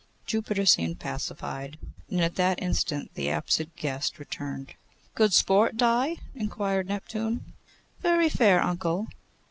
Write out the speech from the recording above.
Jupiter seemed pacified, and at that instant the absent guest returned. 'Good sport, Di?' inquired Neptune. 'Very fair, uncle.